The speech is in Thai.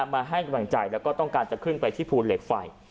มาให้กำลังใจแล้วก็ต้องการจะขึ้นไปที่ภูเหล็กไฟ